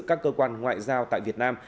các cơ quan ngoại giao tại việt nam